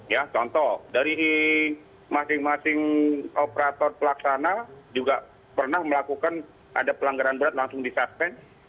ya contoh dari masing masing operator pelaksana juga pernah melakukan ada pelanggaran berat langsung di suspend